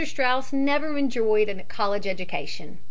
Straus never enjoyed a college education.